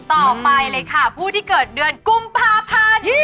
ต่อไปเลยค่ะผู้ที่เกิดเดือนกุมภาพันธ์